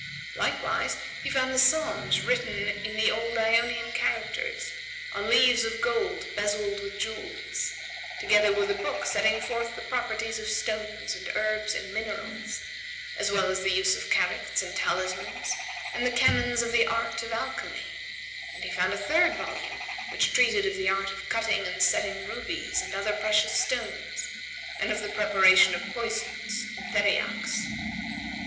Likewise he found the Psalms written in the old Ionian[FN#142] characters on leaves of gold bezel'd with jewels; together with a book setting forth the properties of stones and herbs and minerals, as well as the use of characts and talismans and the canons of the art of alchymy; and he found a third volume which treated of the art of cutting and setting rubies and other precious stones and of the preparation of poisons and theriacks.